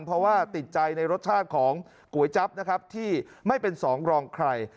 เพราะว่าติดใจในรสชาติของก๋วยจั๊บนะครับที่ไม่เป็นสองรองใคร